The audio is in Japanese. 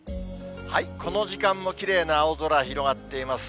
この時間もきれいな青空広がっています。